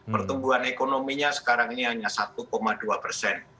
pertumbuhan ekonominya sekarang ini hanya satu dua persen